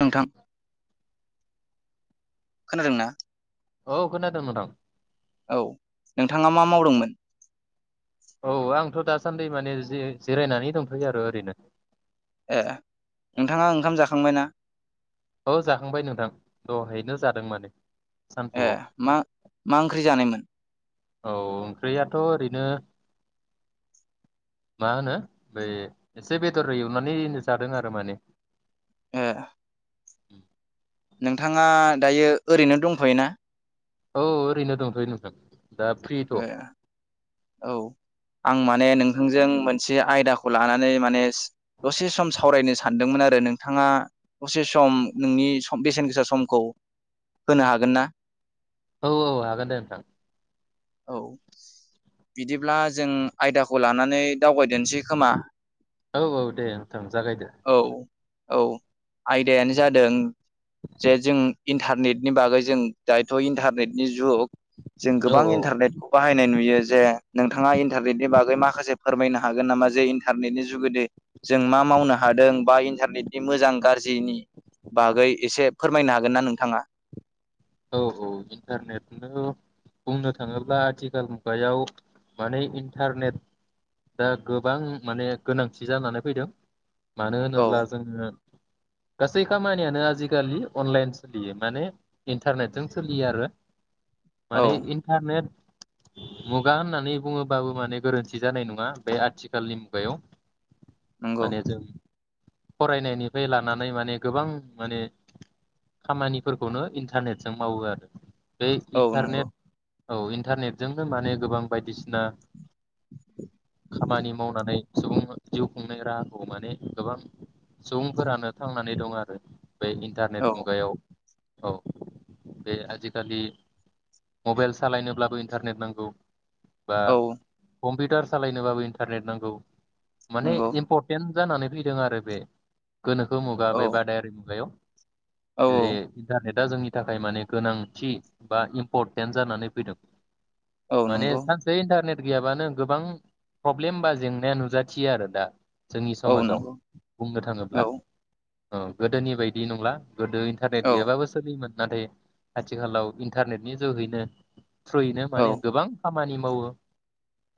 नोंथां। खोनादों ना? औ खोनादों नोंथां। औ नोंथाङा मा मावदोंमोन? औ आंथ दासान्दि माने ज जिरायनानै दंथयो आरो ओरैनो। ए नोंथाङा ओंखाम जाखांबायना? औ जाखांबाय नोंथां दहायनो जादों माने। ए सानजौआव मा मा ओंख्रि जानायमोन? औ ओंख्रियाथ' ओरैनो मा होनो बै एसे बेदर एवनानै जादों आरो माने। ए उम नोंथाङा दायो ओरैनो दंथ'यो ना? औ ओरैनो दंथ'यो नोंथां। दा फ्रिथ' औ ए औ आं माने नों नथांजों मोनसे आयदाखौ लानानै माने दसे सम सावरायनो सानदोंमोन आरो नोंथाङा दसे सम नोंनि बेसेन गोसा समखौ होनो हागोन ना? औ औ हागोन दे नोंथां। औ बिदिब्ला जों आयदाखौ लानानै दावबायदेरनोसै खोमा। औ औ दे नोंथां जागायदो। औ औ आयदायानो जादों जे जों इन्टारनेटनि बागै जों दायोथ' इन्टारनेटनि जुग। जों औ गोबां इनटार इन्टारनेटखौ बाहायनाय नुयो जे नोंथाङा इन्टारनेटनि बागै माखासे फोरमायनो हागोन‌ नामख जे इन्टारनेटनि जुगुदे जों मा मावनो हादों बा इन्टारनेटनि मोजां गाज्रिनि बागै एसे फोरमायनो हागोनना नोंथांङा? औ औ इन्टारनेटनो बुंनो थाङोब्ला आथिखाल मुगायाव माने इन्टारनेट दा गोबां माने गोनांथि जानानै फैदों। मानो औ होनोब्ला जोंङो गासै खामानियानो आजिखालि अनलाइन सोलियो माने इन्टारनेटजों सोलियो आरो। औ माने इन्टारनेट मुगा होननानै बुंङोबाबो माने गोरोन्थि जानाय नङा बे आथिखालनि मुगायाव नंगौ माने जों फरायनायनिफ्राय लानानै माने गोबां माने खामानिफोरखौनो इनटारनेटजों मावो आरो। बे औ नंगौ इन्टारनेट औ इन्टारनेटजोंनो माने गोबां बायदिसिना खामानि मावनानै सुबुंफोर जिउ खुंनाय राहाखौ माने गोबां सुबुंफोरानो थांनानै दं आरो। बे औ इन्टारनेट मुगायाव। औ बे आजिखालि मबाइल सालायनोब्लाबो इन्टारनेट नांगौ। बा औ कम्पिउटार सालायनोबाबो इन्टारनेट नांगौ माने नंगौ इम्परटेन जानानै फैदों आरो बे। गोनोखो मुगा औ बे बादायारि मुगायाव औ जे इन्टारनेट दा जोंनि थाखाय माने गोनांथि बा इम्परटेन्ट जानानै फैदों। औ माने नंगौ सानसे इन्टारने गैयाबानो गोबां प्रब्लेम बा जेंनाया नुजाथियो आरो दा जोंनि औ समाजाव नंगौ बुंनो औ थाङोब्ला औ गोदोनि बायदि नंला गोदो इन्टारनेट औ गैयाबाबो नाथाय आथिखालाव इन्टारनेटनि जोहैनो थ्रयैनो औ माने गोबां खामानि मावो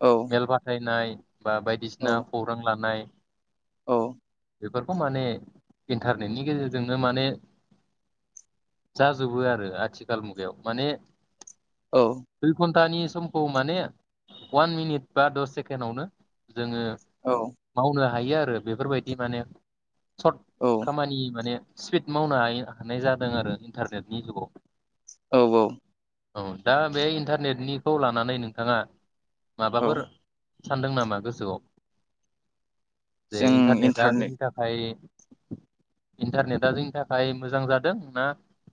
औ मेल बाथायनाय बा औ बायदिसिना खौरां लानाय औ बेफोरखौ माने इन्टारनेटनि गेजेरजोंनो माने जाजोबो आरो आथिखाल मुगायाव माने औ स्तानि समखौ माने वान मिनिट बा दस सेकेणडआवनो जोङो औ मावनो हायो हायो आरो बेफोरबायदि माने सर्ट खामानि माने स्पिद मावनो हायो हानाय जादों जादों आरो इन्टारनेटनि जुगाव औ औ औ दा बे इन्टारनेटनिखौ लानानै नोंथाङा औ माबफोर सानदों नामा गोसोआव जे जों इन्टारनेटा इन्टारनेट जोंनि थाखाय इन्टारनेटा जोंनि थाखाय मोजां जादों ना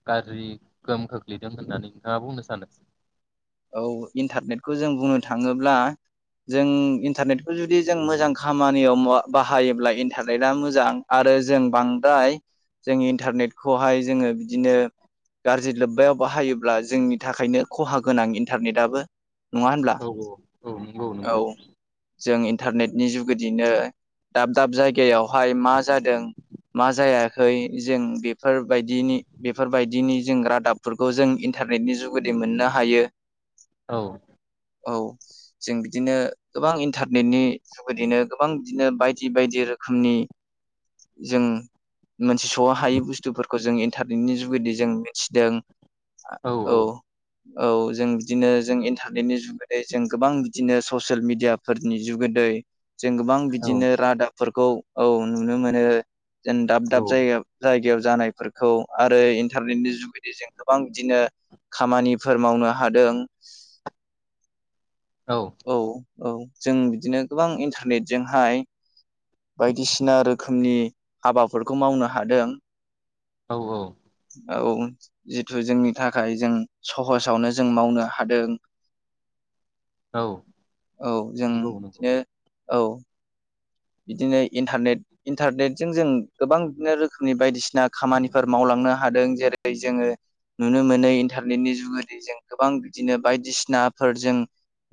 गाज्रि गोहोम खोख्लैदों होननानै नोंथाङा बुंनो सानो औ इन्टारनेटखौ जों बुंनो थाङोब्ला जों इन्टारनेटखौ जुदि जों मोजां खामानियाव बाहायोब्ला इन्टारनेटआ मोजां आरो जों बांद्राय जों इन्टारनेटखौहाय जोङो बिदिनो गाज्रि लोब्बायाव बाहायोब्ला जोंनि थाखायनो खहा गोनां इन्टारनेटआबो नङा होनब्ला औ औ औ नंगौ औ नंगौ जों इन्टारनेटनि जुगेदिनो दाब दाब जायगायावहाय मा जादों मा जायाखै जों बेफोरबायदिनि बेफोरबायदिनि जों रादाबफोरखौ जों इन्टारनेटनि जुगेदि मोननो हा हायो औ औ जों बिदिनो गोबां इन्टारनेटनि जुगेदिनो गोबां बिदिनो बायदि बायदि रोखोमनि जों मोनसे स' हायै बुस्थुफोरखौ जों इन्टारनेटनि जुगेदि जों मिथिदों औ औ जों बिदिनो जों इन्टारनेटनि जुगोदै जों गोबां बिदिनो ससियेल मिडियाफोरनि जुगोदै जों गोबां औ बिदिनो रादाब फोरखौ औ नुनो मोनो। जेन दाब दाब जायगायाव जायगायाव जानायफोरखौ आरो इन्टारनेटनि जुगैदि जों गोबां बिदिनो खामानि फोर मावनो हादों। औ। औ जों बिदिनो गोबां इन्टारनेटजोंहाय बायदिसिना रोखोमनि हाबाफोरखौ मावनो हादों। औ औ। ओ औ उम जिथु जोंनि थाखाय जों सहसावनो जों मावनो हादों औ औ जों नंगौ नंगौ बिदिनो औ। बिदिनो इन्टारनेट इन्टारनेटजों जों गोबां बिदिनो रोखोमनि बायदिसिना खामानिफोर मावलांनो हादों जेरै जोङो नुनो मोनो इन्टारनेटनि जुगुरदै जों गोबां बिदिनो बायदिसिनाफोर जों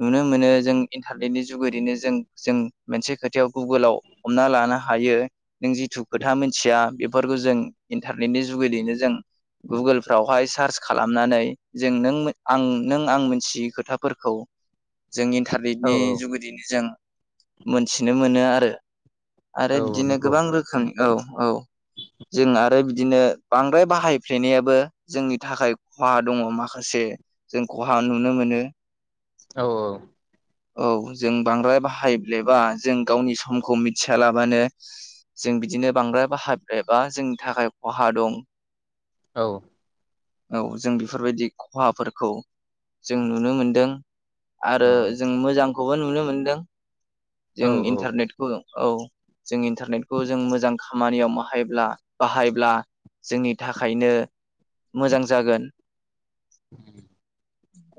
नुनो मोनो जों इन्टारनेटनि जुगदैनो जों जों मोनसे खोथायाव गुगोलाव हमना लानो हायो नों जिथु खोथा मिथिया बेफोरखौ जों इन्टारनेटनि जुगैदैनो जों गुगोलफ्रावहाय सार्च खालामनानै जों नों आं नों आं मोनथियै खोथाफोरखौ जों औ इन्टारनेटनि जुगुदिनो जों मोनथिनो मोनो आरो आरो औ बिदिनो नंगौ गोबां रोखोमनि औ औ। जों आरो बिदिनो बांद्राय बाहायफ्लेनायाबो जोंनि थाखाय खहा दङ माखासे जों खहा नुनो मोनो। औ औ। औ जों बांद्राय बाहायब्लेबा जों गावनि समखौ मिथियालाबानो जों बिदिनो बांद्राय बाहायब्रेबा जोंनि थाखाय खहा दं। औ। औ जों बेफोरबायदि खहाफोरखौ जों नुनो मोनदों। आरो जों मोजां खौबो नुनो मोनदों। जों औ औ इन न्टारनेटखौ जों। औ जों इन्टारनेटखौ जों मोजां खामानियाव माहायब्ला बाहायब्ला जोंनि थाखायनो मोजां जागोन।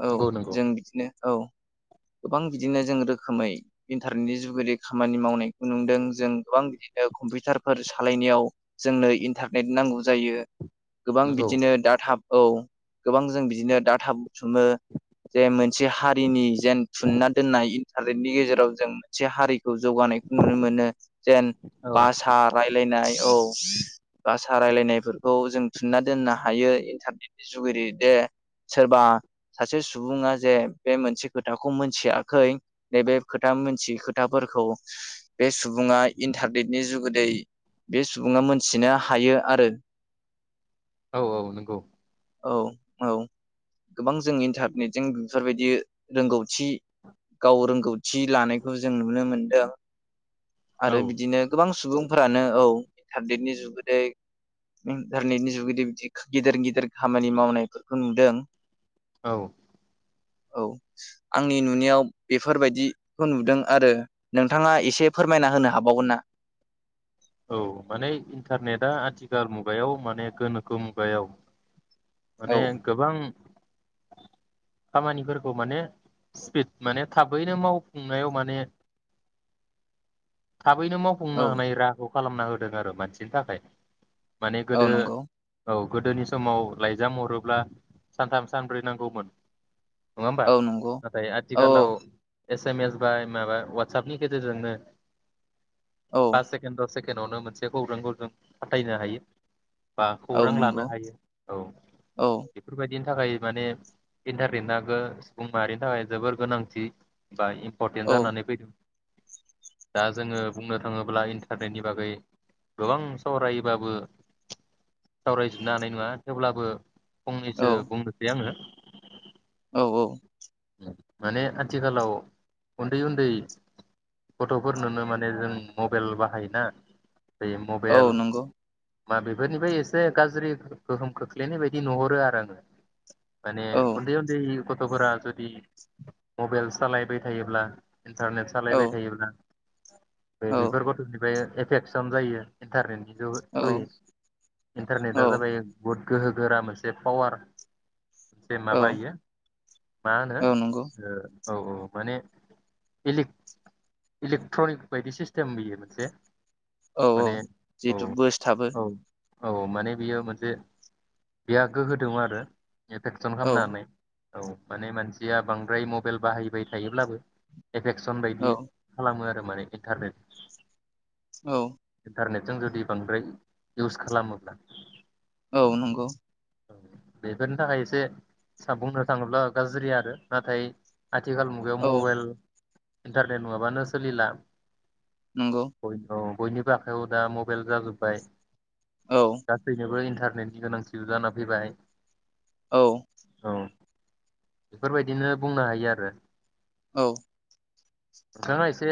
औ नंगौ नंगौ जों बिदिनो औ गोबां बिदिनो जों रोखोमै इन्टारनेटनि जुगै खामानि मावनायखौ नुदों जों गोबां बिदिनो कम्पिउटारफोर सालायनायाव जोंनो इन्टारनेट नांगौ जायो। गोबां नंगौ बिदिनो दा थाब औ गोबां जों बिदिनो डाटा बुथुमो जे मोनसे हारिनि जेन थुनना दोननाय इन्टारनेटनि गेजेराव जों मोनसे हारि खौ जौगानायखौ नुनो मोनो जेन औ भासा रायलायनाय औ बासा रायलायनायफोरखौ जों थुनना दोननो हायो इन्टारनेटनि जुगै दे सोरबा सासे सुबुङा जे बे मोनसे खोथाखौ मोनथियाखै नैबे खोथा मोनथियै खोथा फोरखौ बे सु बुङा इन्टारनेटनि जुगै गै बे सुबुङा मोनथिनो हायो आरो। औ औ नंगौ। औ औ गोबां जों इन्टारनेटजों बेफोरबायदि रोंगौथि गाव रोंगौथि लानायखौ जों नुनो मोनदों। आरो औ बिदिनो गोबां सुबुंफोरानो औ [unintelligible] जुगै इन्टारनेटनि जुगेदै बिदि गिदिर गिदिर खामानि मावनायफोरखौ नुदों। औ औ आंनि नुनायाव बेफोरबायदिखौ नुदों आरो नोंथाङा एसे फोरमायना होनो हाबावगोन ना? औ माने इन्टारनेटआ आथिखाल मुगायाव माने गोनोखो मुगायाव औ माने गोबां खामानिफोरखौ माने स्पिड माने थाबैनो मावफुंनायाव माने थाबैनो औ मावफुंनो हानाय राहाखौ खालामना होदों आरो मानसिनि थाखाय। माने औ गोदो नंगौ औ गोदोनि समाव लाइजाम हरोब्ला सानथाम सानब्रै नांगौमोन नङा होमबा औ नंगौ नाथाय औ आथिखालाव एस एम एस बाय माबा वाटसापनि गेजेरजोंनो औ पास सेकण्ड दस सेकण्ड नावनो मोनसे खौरांखौ जों फाथायनो हायो। बा औ खौरां लानो नंगौ हायो औ औ बेफोरबायदि नि थाखाय माने इन्टारनेट [unintelligible] सुबुं माहारिनि थाखाय जोबोर गोनांथि बा औ इम्परटेन्ट जानानै फै दा जोङो बुंनो थाङोब्ला इन्टारनेटनि बागै गोबां सावरायोबाबो सावरायजोबनो हानाय नङा थेवब्लाबो औ फंनैसो बुंनोसै आङो औ औ माने आथिखालाव उन्दै उन्दै गथ'फोरनोनो माने जों मबाइल बाहायोना? बे औ मबेइल नंगौ मा बेफोरनिफ्राय एसे गाज्रि गोहोम खोख्लैनाय बायदि नुहरो आरो आङो माने औ उन्दै उन्दै [unintelligible] थ'फोरा जु दि मबाइल सालायबाय थायोब्ला इन्टारनेट औ सालायबाय थायोब्ला बे [unintelligible] एफेक्सन जायो इन्टारनेटनि जोबै औ थ्रुयै इन्टारनेटआ जाबाय बुद गोहो गोरा मोनसे पावार मोनसे औ माबा इयो मा होनो औ नंगौ ओ औ-औ माने इलिक इलिक्ट्रनिक बायदि सिस्टेम बेयो मोनसे औ - औ माने औ जिहेतु बोसथाबो औ औ माने बियो मोनसे बेहा गोहो दं आरो इफेकसन औ खालामनो हानाय औ माने मानसिया बांद्राय मबाइल बाहायबाय थायोब्लाबो एफेकसन औ बायदि खालामो आ माने इन्थारनेट औ इन्टारनेटजों जुदि बांद्राय इउस खालामोब्ला औ नंगौ औ बेफोरनि थाखाय एसे बुंनो थाङोब्ला गाज्रि आरो नाथाय आथिखाल मुगायाव औ मबेल इन्टारनेट नङाब्लानो सोलिला हयथ' नंगौ बयनिबो आखायाव दा मबाइल जाजोब्बाय औ गासैनोबो इन्टार बिबांथि गोनांथिबो जाना फैबाय औ औ बेफोरबायदिनो बुंनो हायो आरो औ नोंथाङा एसे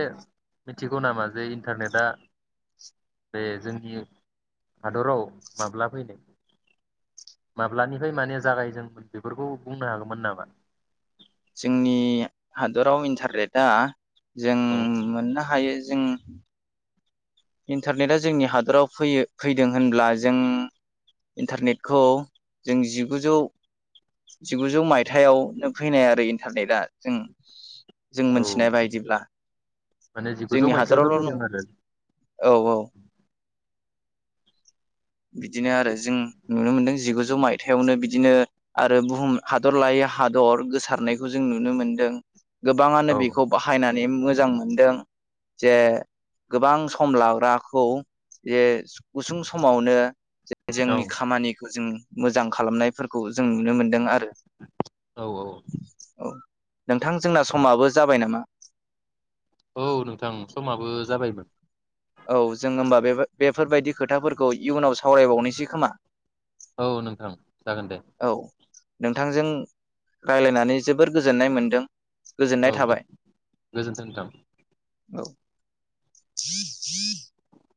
मिथिगौ नामा जे इन्टारनेटआ बे जोंनि हादराव माब्ला फैनाय माब्लानिफ्राय माने जागायजोंमोन बेफोरखौ बुंनो हागौमोन नामा जोंनि हादराव इन्टारनेटआ जों औ मोननो हायो जोङो इन्टारनेटआ जोंनि हादराव फैयो फैदों होनब्ला जों इन्टारनेटखौ जों जिगुजौ जिगुजौ माइथायावनो फैनाय आरो इन्टारनेटआ जों जों औ मोनथिनाय बायदिब्ला माने जिगुजौ जोंनि मायथाइयावनो हादरावल' फैदों नङ आरो औ -औ बिदिनो आरो जों नुनो मोनदों जिगुजौ माइथायावनो बिदिनो आरो बुहुम हादर लायै हादर गोसारनायखौ जों नुनो मोनदों। गोबाङानो औ बेखौ बाहायना मोजां मोनदों जे गोबां सम लाग्राखौ जे गुसुं सम स'मावनो जे औ जोंनि खामानिखौ जों मोजां खालामनायफोरखौ जों नुनो मोन्दों आरो। औ औ। औ नोंथां जोंना समाबो जाबाय नामा। औ नोंथां समाबो जाबायमोन। औ जों होमबा बे बेफोरबायदि खोथाफोरखौ इयुनाव सावरायबावनोसै खोमा। औ नोंथां। जागोन दे। औ नोंथांजों रायलायनानै जोबोर गोजोन्नाय मोनदों। गोजोननाय औ थाबाय गोजोन्थों नोंथां। [unintelligible]